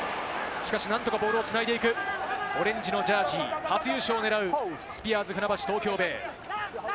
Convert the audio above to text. しかし何とかボールを繋いでいく、オレンジのジャージー初優勝を狙うスピアーズ船橋・東京ベイ。